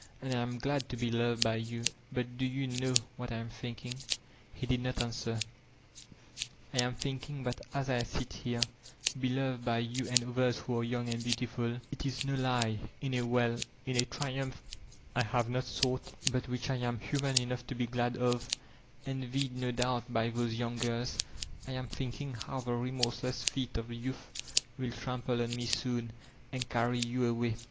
And I am glad to be k>ved by you. But, do you know what I am thinking y* He did not answer. ^7 am thinking that as I sit here, beloved by jtm and others who are young and beautiful — ^it is no lie — in a — well, in a triumph I have not sought, but which I am human enough to be glad of, envied no doubt by those young girb, — I am thinking how the remorseless feet of Youth will tramp on me soon, and carry you away.